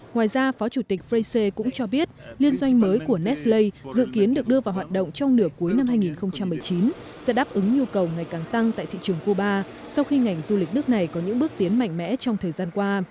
ngoài ra phó chủ tịch freec cũng cho biết liên doanh mới của neslay dự kiến được đưa vào hoạt động trong nửa cuối năm hai nghìn một mươi chín sẽ đáp ứng nhu cầu ngày càng tăng tại thị trường cuba sau khi ngành du lịch nước này có những bước tiến mạnh mẽ trong thời gian qua